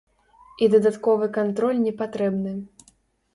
І дадатковы кантроль не патрэбны.